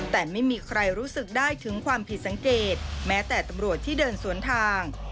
แต่ไม่มีใครรู้สึกได้ถึงความผิดสังเกตแม้แต่ตำรวจที่เดินสวนทาง